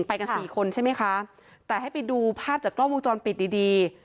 ไปกันสี่คนใช่ไหมคะแต่ให้ไปดูภาพจากกล้องวงจรปิดดีดี